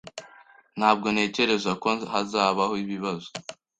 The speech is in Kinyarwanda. Ntabwo ntekereza ko hazabaho ibibazo.